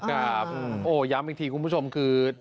ครับโอ้ย้ำอีกทีคุณผู้ชมคือ